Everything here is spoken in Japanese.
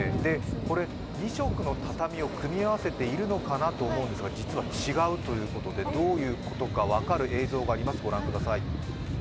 これ２色の畳を組み合わせてみたのかなと思ったんですが、実は違うということでどういうことか分かる映像があります。